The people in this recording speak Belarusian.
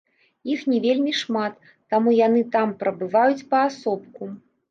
Іх не вельмі шмат, таму яны там прабываюць паасобку.